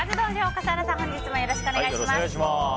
笠原さん、本日もよろしくお願いします。